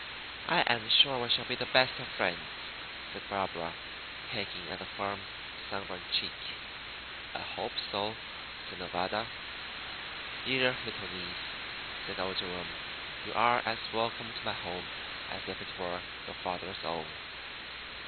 "I am sure we shall be the best of friends," said Barbara, pecking at the firm, sunburned cheek. "I hope so," said Nevada. "Dear little niece," said old Jerome, "you are as welcome to my home as if it were your father's own."